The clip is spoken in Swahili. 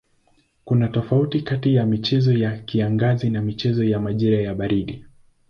Kuna tofauti kati ya michezo ya kiangazi na michezo ya majira ya baridi.